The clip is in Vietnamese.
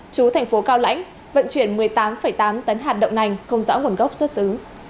chú thành phố cao lãnh vận chuyển một mươi tám tám tấn hạt động này không rõ nguồn gốc xuất xứ